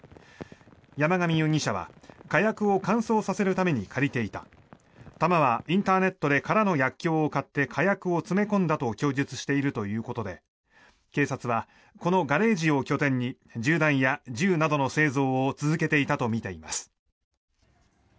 山上容疑者は、火薬を乾燥させるために借りていた弾はインターネットで空の薬きょうを買って火薬を詰め込んだと供述しているということで警察はこのガレージを拠点に銃弾や銃などの製造を続けていたとみています。